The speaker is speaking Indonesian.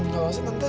gak usah tante